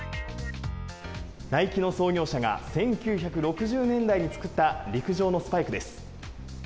ナイキの創業者が、１９６０年代に作った陸上のスパイクです。